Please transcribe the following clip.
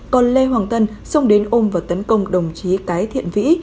còn lê hoàng tân xông đến ôm và tấn công đồng chí cái thiện vĩ